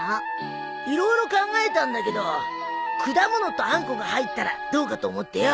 色々考えたんだけど果物とあんこが入ったらどうかと思ってよ。